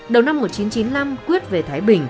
đầu năm một nghìn chín trăm chín mươi năm quyết về thái bình